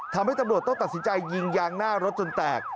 ทำให้ตำรวจต้องตัดสินใจยิงยางหน้ารถจนแตก